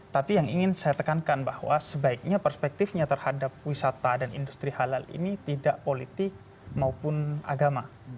tapi yang ingin saya tekankan bahwa sebaiknya perspektifnya terhadap wisata dan industri halal ini tidak politik maupun agama